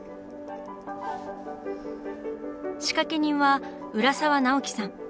仕掛け人は浦沢直樹さん。